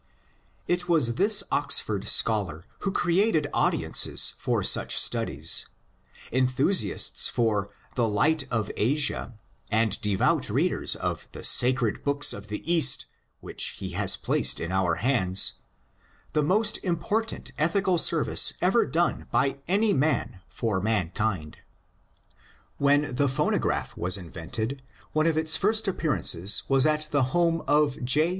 It was this Oxford scholar who created audiences for such studies, enthusiasts for *' The Light of Asia," and devout readers for the Sacred Books of the East which he has placed in our hands — the most important ethi cal service ever done by any man for mankind. When the phonograph was invented, one of its first appear ances was at the house of J.